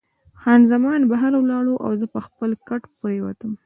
خان زمان بهر ولاړه او زه پر خپل کټ پروت وم.